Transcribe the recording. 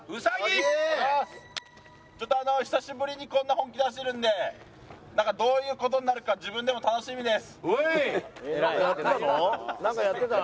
ちょっと久しぶりにこんな本気出してるのでどういう事になるかなんかやってたの？